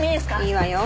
いいわよ。